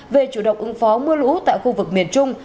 về chủ động ứng phó mưa lũ tại khu vực miền trung